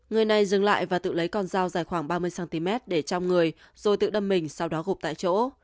người này dừng lại và tự lấy con dao dài khoảng ba mươi cm để trong người rồi tự đâm mình sau đó gộp tại chỗ